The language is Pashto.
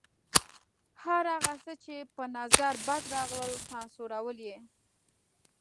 هر هغه څه چې په نظر بد راغلل سانسورول یې.